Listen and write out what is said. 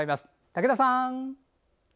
武田さん！